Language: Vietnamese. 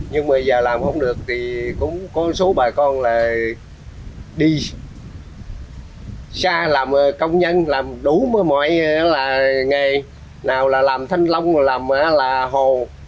nhưng bây giờ làm không được thì cũng có số bà con là đi xa làm công nhân làm đủ mọi là nghề nào là làm thanh long làm là hồ